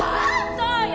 そうよ